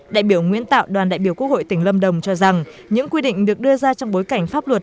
đại biểu nguyễn tạo đoàn đại biểu quốc hội tỉnh lâm đồng cho rằng những quy định được đưa ra trong bối cảnh pháp luật